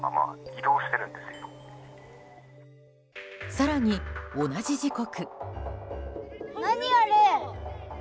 更に、同じ時刻。